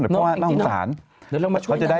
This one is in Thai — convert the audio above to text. เดี๋ยวเรามาช่วยนางดีกว่า